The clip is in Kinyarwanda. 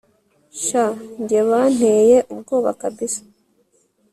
sha njye banteye ubwoba kabsa